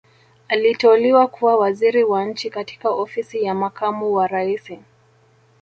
aliteuliwa kuwa Waziri wa nchi katika ofisi ya makamu wa raisi